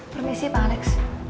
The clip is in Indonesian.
permisi pak alex